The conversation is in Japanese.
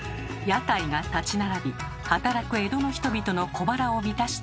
屋台が立ち並び働く江戸の人々の小腹を満たしていました。